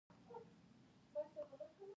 د احمد له ډېره نازه کونه ورکه ده